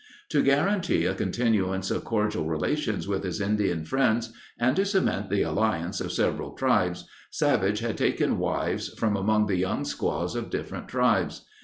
To guarantee a continuance of cordial relations with his Indian friends, and to cement the alliance of several tribes, Savage had taken wives from among the young squaws of different tribes.